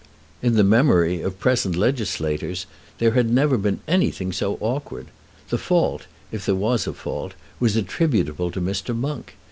In the memory of present legislators there had never been anything so awkward. The fault, if there was a fault, was attributable to Mr. Monk.